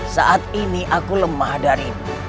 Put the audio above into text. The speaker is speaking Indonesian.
saat ini aku lemah darimu